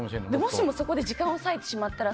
もし、そこで時間を割いてしまったら。